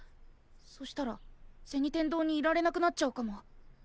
そしたら銭天堂にいられなくなっちゃうかも。